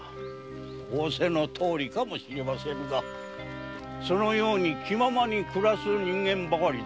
仰せのとおりかもしれませんがそのように気ままに暮らす人間ばかりでは世の中治まりませぬ。